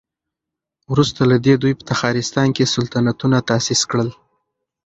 وروسته له دې دوی په تخارستان کې سلطنتونه تاسيس کړل